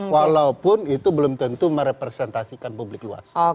walaupun itu belum tentu merepresentasikan publik luas